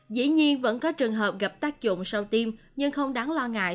dĩ nhiên vẫn có trường hợp gặp tác dụng sau tiêm nhưng không đáng lo ngại